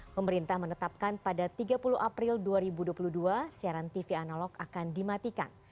pemerintah menetapkan pada tiga puluh april dua ribu dua puluh dua siaran tv analog akan dimatikan